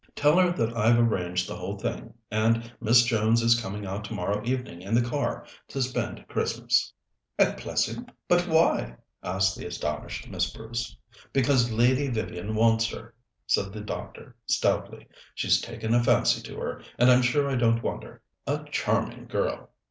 "Tell her that I've arranged the whole thing, and Miss Jones is coming out tomorrow evening in the car to spend Christmas." "At Plessing? But why?" asked the astonished Miss Bruce. "Because Lady Vivian wants her," said the doctor stoutly. "She's taken a fancy to her, and I'm sure I don't wonder. A charming girl!"